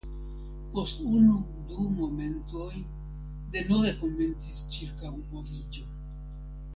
Post unu, du momentoj denove komencis ĉirkaŭmoviĝo.